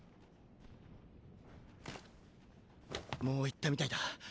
もう行ったみたいだ。